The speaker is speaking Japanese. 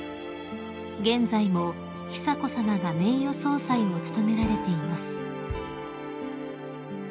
［現在も久子さまが名誉総裁を務められています］